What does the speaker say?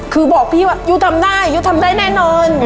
คือบอกพี่ว่ายุทำได้ยุทำได้แน่นอน